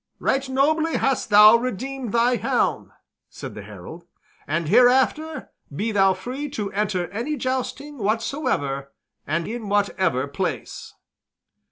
"Right nobly hast thou redeemed thy helm," said the Herald, "and hereafter be thou free to enter any jousting whatsoever, and in whatever place."